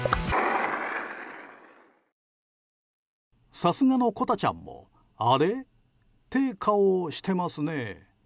さすがのコタちゃんもあれ？って顔をしてますね。